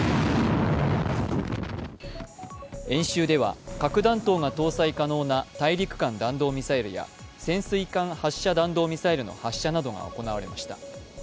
演習では核弾頭が搭載可能な大陸間弾道ミサイルや潜水艦発射弾道ミサイルの発射などが行われました。